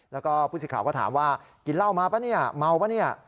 แล้วก็ผู้สิทธิ์ข่าวก็ถามว่ากินเหล้ามาป่ะเนี่ยเมาป่ะเนี่ย